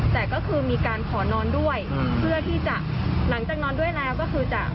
แต่ก็คือมีการขอนอนด้วยเพื่อที่จะหลังจากนอนด้วยแล้วก็คือจะ